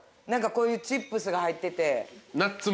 何かこういうチップスが入ってて。